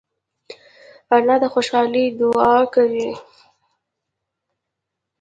انا د خوشحالۍ دعا کوي